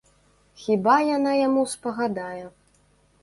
Хіба яна яму спагадае?